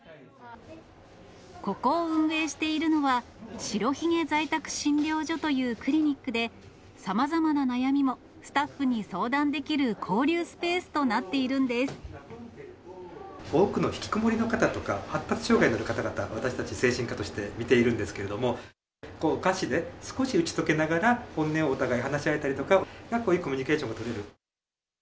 ここを運営しているのは、しろひげ在宅診療所というクリニックで、さまざまな悩みもスタッフに相談できる交流スペースとなっている多くのひきこもりの方とか、発達障害の方々、私たち精神科として診ているんですけれども、お菓子で少し打ち解けながら、本音をお互い話し合えたりとか、コミュニケーションが取れる。